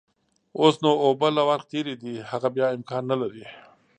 اوس نو اوبه له ورخ تېرې دي، هغه بيا امکان نلري.